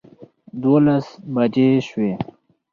دولس بجې شوې.